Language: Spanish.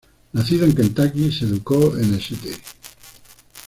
Nacido en Kentucky, se educó en St.